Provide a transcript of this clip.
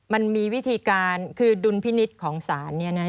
มันมีวิธีการคือดุลพินิษฐ์ของศาลเนี่ยนะ